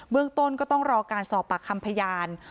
เมืองต้นก็ต้องรอการสอบปากคำพยาน